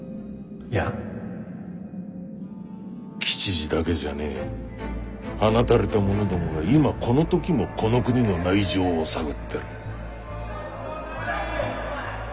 吉次だけじゃねえ放たれた者どもが今この時もこの国の内情を探ってる。